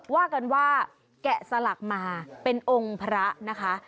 ว่ากันว่าแกะสลักมาเป็นองค์พระนะคะ